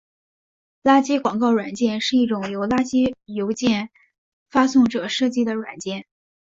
垃圾广告软件是一种由垃圾邮件发送者设计的软件。